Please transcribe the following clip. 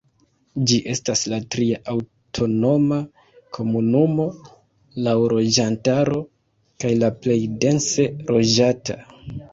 Ĝi estas la tria aŭtonoma komunumo laŭ loĝantaro kaj la plej dense loĝata.